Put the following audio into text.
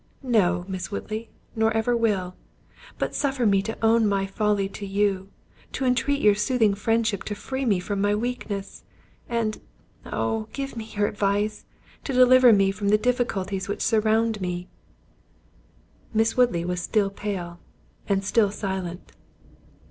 No, Miss Woodley, nor ever will. But suffer me to own my folly to you—to entreat your soothing friendship to free me from my weakness. And, oh! give me your advice, to deliver me from the difficulties which surround me." Miss Woodley was still pale, and still silent.